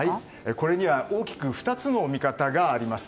これには大きく２つの見方があります。